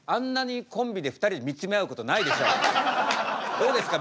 どうですか？